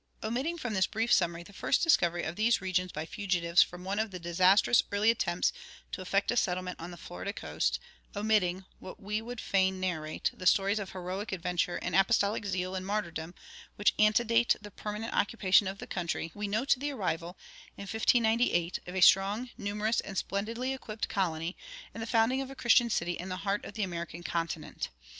Omitting from this brief summary the first discovery of these regions by fugitives from one of the disastrous early attempts to effect a settlement on the Florida coast, omitting (what we would fain narrate) the stories of heroic adventure and apostolic zeal and martyrdom which antedate the permanent occupation of the country, we note the arrival, in 1598, of a strong, numerous, and splendidly equipped colony, and the founding of a Christian city in the heart of the American continent.